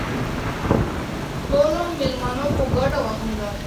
ټولو مېلمنو په ګډه وخندل.